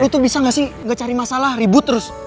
lu tuh bisa ga sih ga cari masalah ribut terus